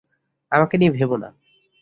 আমাকে নিয়ে ভেবো না।